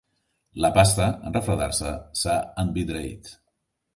La pasta, en refredar-se, s'ha envidreït.